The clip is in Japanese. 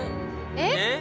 えっ？